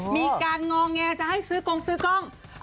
มีการงอแงจะให้ซื้อกงซื้อกล้อง